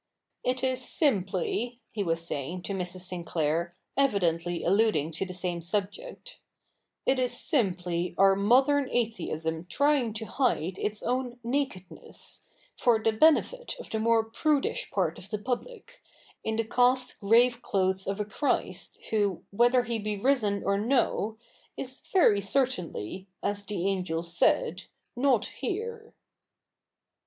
' It is simply,' he was saying to Mrs. Sinclair, evidently alluding to the same subject — 'it is simply our modern atheism trying to hide its own nakedness, for the benefit of the more prudish part of the pubhc, in the cast grave clothes of a Christ who, whether He be risen or no, is very certainly, as the angel said, not here.'